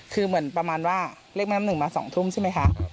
คือเหมือนประมาณว่าเรียกแม่น้ำหนึ่งมา๒ทุ่มใช่ไหมคะ